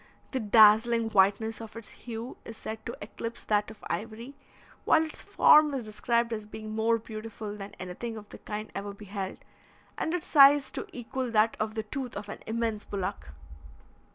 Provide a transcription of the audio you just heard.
The dazzling whiteness of its hue is said to eclipse that of ivory, while its form is described as being more beautiful than anything of the kind ever beheld, and its size to equal that of the tooth of an immense bullock.